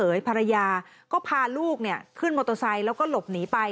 ภรรยาก็พาลูกเนี่ยขึ้นมอเตอร์ไซค์แล้วก็หลบหนีไป